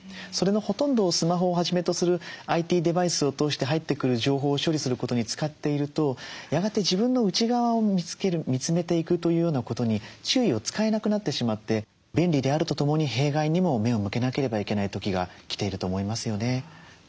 それのほとんどをスマホをはじめとするＩＴデバイスを通して入ってくる情報を処理することに使っているとやがて自分の内側を見つける見つめていくというようなことに注意を使えなくなってしまって便利であるとともに弊害にも目を向けなければいけない時が来ていると思いますよね。